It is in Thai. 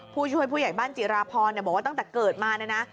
ผู้ช่วยผู้ใหญ่บ้านจิราพรบอกว่าตั้งแต่เกิดมาเนี่ยนะ